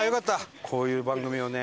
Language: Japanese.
こういう番組をね